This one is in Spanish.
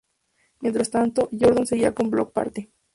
Mientras tanto, Gordon seguía con Bloc Party.